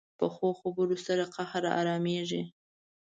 پخو خبرو سره قهر ارامېږي